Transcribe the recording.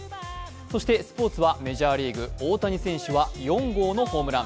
そしてスポーツはメジャーリーグ大谷選手は４号のホームラン。